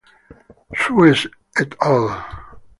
Sues "et al.